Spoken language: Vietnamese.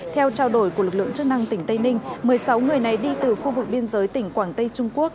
theo trao đổi của lực lượng chức năng tỉnh tây ninh một mươi sáu người này đi từ khu vực biên giới tỉnh quảng tây trung quốc